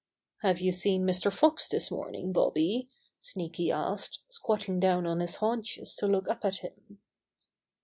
^'Have you seen Mr. Fox this morning, Bobby?" Sneaky asked, squatting down on his haunches to look up at him.